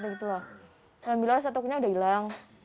alhamdulillah rasa takutnya udah hilang